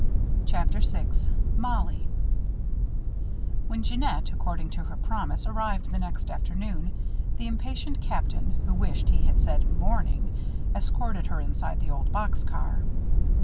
CHAPTER VI MOLLIE When Jeannette, according to her promise, arrived the next afternoon, the impatient Captain, who wished he had said morning, escorted her inside the old box car.